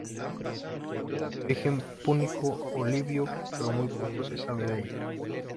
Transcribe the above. Era de origen púnico o libio pero muy poco se sabe de ella.